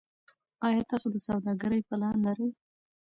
ایا تاسو د سوداګرۍ پلان لرئ.